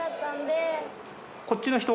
こっちの人？